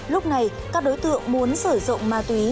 lúc này các đối tượng muốn sử dụng ma túy